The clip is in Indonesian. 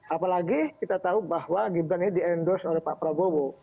apalagi kita tahu bahwa gibran ini di endorse oleh pak prabowo